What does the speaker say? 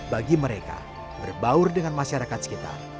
bagi mereka berbaur dengan masyarakat sekitar